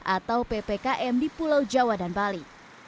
atau ppkm di pulau jawa dan bali